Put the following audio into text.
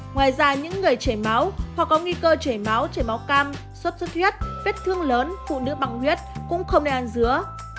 ngoài ra những người chảy máu hoặc có nghi cơ chảy máu chảy máu cam suốt suốt huyết vết thương lớn phụ nữ bằng huyết cũng không nên ăn dứa